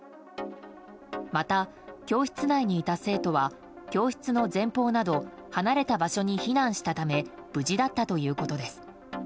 また、教室内にいた生徒は教室の前方など離れた場所に避難したため無事だったということです。